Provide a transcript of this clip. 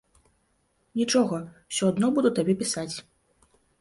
Нічога, усё адно буду табе пісаць.